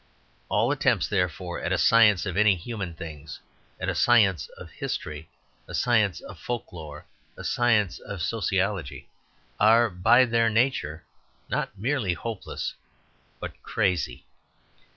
All attempts, therefore, at a science of any human things, at a science of history, a science of folk lore, a science of sociology, are by their nature not merely hopeless, but crazy.